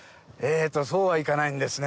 そうはいかないんですね。